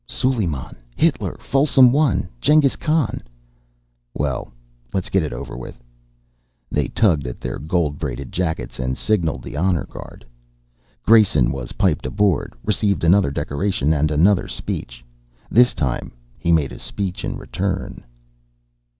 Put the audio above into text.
"Suleiman. Hitler. Folsom I. Jenghis Khan." "Well, let's get it over with." They tugged at their gold braided jackets and signalled the honor guard. Grayson was piped aboard, received another decoration and another speech. This time he made a speech in return.